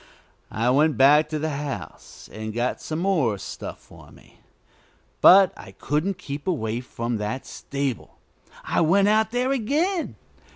I went back to the house and got some more stuff on me. But I couldn't keep away from that stable. I went out there again.